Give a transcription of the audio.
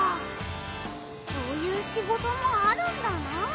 そういうシゴトもあるんだなあ。